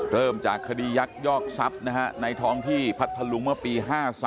เริ่มจากคดียักยอกทรัพย์ในท้องที่พัทธลุงเมื่อปี๕๓